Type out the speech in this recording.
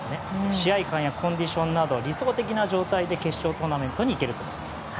試合勘やコンディションなど理想的な状態で決勝トーナメントに行けると思います。